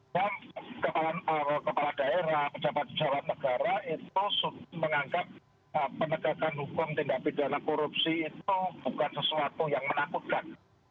bahwa kepala daerah pejabat pejabat negara itu menganggap penegakan hukum tindak pidana korupsi itu bukan sesuatu yang menakutkan